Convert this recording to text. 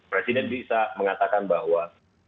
presiden bisa mengatakan bahwa